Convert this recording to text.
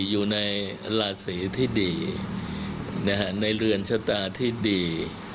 อยู่ในราศีที่ดีในเรือนชะตาที่ดี